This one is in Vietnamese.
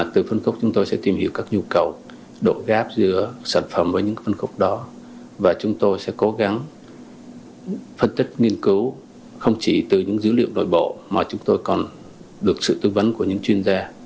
từ phân khúc chúng tôi sẽ tìm hiểu các nhu cầu độ gáp giữa sản phẩm với những phân khúc đó và chúng tôi sẽ cố gắng phân tích nghiên cứu không chỉ từ những dữ liệu nội bộ mà chúng tôi còn được sự tư vấn của những chuyên gia